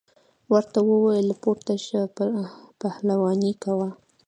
ورته وویل پورته شه پهلواني کوه.